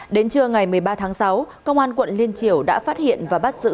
đến trưa ngày một mươi ba tháng sáu công an quận liên triều đã phát hiện và bắt giữ